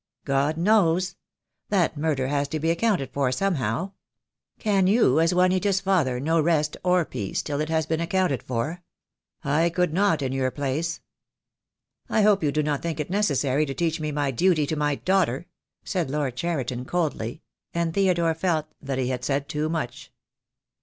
"God knows! That murder has to be accounted for somehow. Can you, as Juanita's father, know rest or peace till it has been accounted for? I could not, in your place." "I hope you do not think it necessary to teach me my duty to my daughter," said Lord Cheriton coldly; and Theodore felt that he had said too much.